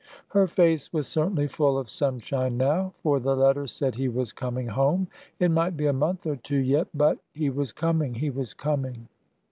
Her face was certainly full of sunshine now, for the letter said he was coming home. It might be a month or two yet, but— he was coming! he was coming!